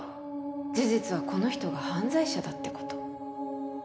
事実はこの人が犯罪者だってこと